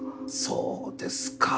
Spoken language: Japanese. そうですか。